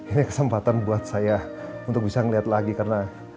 ini kesempatan buat saya untuk bisa melihat lagi karena